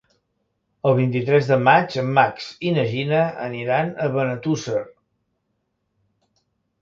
El vint-i-tres de maig en Max i na Gina aniran a Benetússer.